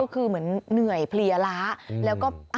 คือเหมือนเหนื่อยเพลียล้า